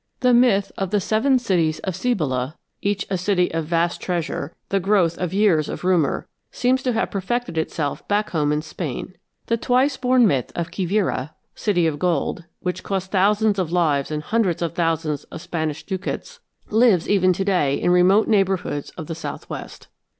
The myth of the Seven Cities of Cibola, each a city of vast treasure, the growth of years of rumor, seems to have perfected itself back home in Spain. The twice born myth of Quivira, city of gold, which cost thousands of lives and hundreds of thousands of Spanish ducats, lives even to day in remote neighborhoods of the southwest.